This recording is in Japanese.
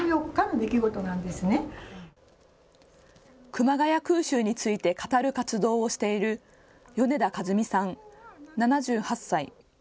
熊谷空襲について語る活動をしている米田主美さん、７８歳。